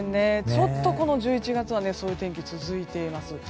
ちょっと、この１１月はそういう天気が続いています。